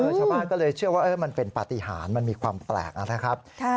ชาวบ้านก็เลยเชื่อว่ามันเป็นปฏิหารมันมีความแปลกนะครับ